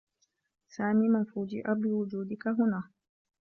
سامي من فوجئ بوجودك هنا.